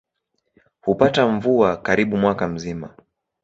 Hupata mvua karibu mwaka mzima.